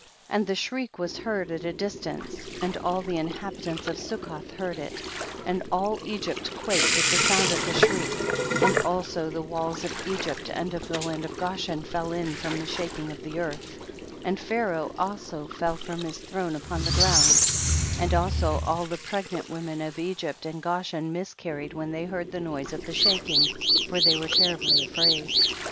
47. And the shriek was heard at a distance, and all the inhabitants of Succoth heard it, and all Egypt quaked at the sound of the shriek, and also the walls of Egypt and of the land of Goshen fell in from the shaking of the earth, and Pharaoh also fell from his throne upon the ground, and also all the pregnant women of Egypt and Goshen mis carried when they heard the noise of the shaking, for they were terribly afraid.